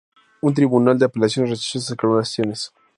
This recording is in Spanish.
Un tribunal de apelaciones rechazó estas reclamaciones.